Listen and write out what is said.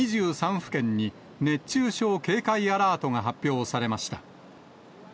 府県に熱中症警戒アラートが発表されました。